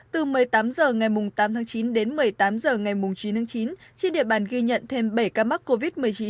từ một mươi tám h ngày tám tháng chín đến một mươi tám h ngày chín tháng chín trên địa bàn ghi nhận thêm bảy ca mắc covid một mươi chín